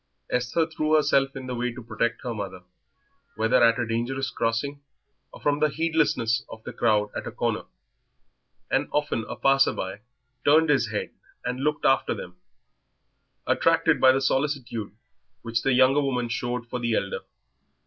Esther threw herself in the way to protect her mother, whether at a dangerous crossing or from the heedlessness of the crowd at a corner, and often a passer by turned his head and looked after them, attracted by the solicitude which the younger woman showed for the elder.